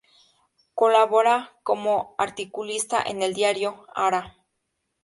Colabora como articulista en el diario "Ara".